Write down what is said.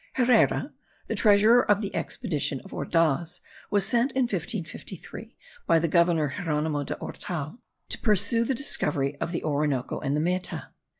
Herrera, the treasurer of the expedition of Ordaz, was sent in 1553, by the governor Geronimo de Ortal, to pursue the discovery of the Orinoco and the Meta.